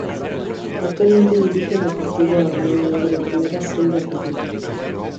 Actualmente dirige al Deportivo Armenio de la Primera C de Argentina.